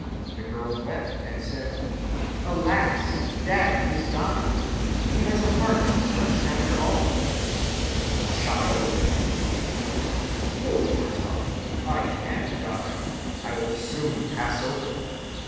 The girl wept and said, "Alas, daddy is dying; he has a heart in his breast after all." "Child," replied the warlock, "hold your tongue. I can't die. It will soon pass over."